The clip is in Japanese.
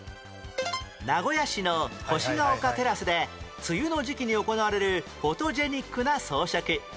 名古屋市の星が丘テラスで梅雨の時期に行われるフォトジェニックな装飾